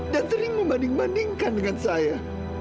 dan sering membanding bandingkan dengan saya